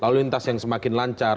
lalu lintas yang semakin lancar